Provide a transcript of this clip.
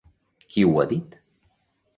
Qui ho ha dit?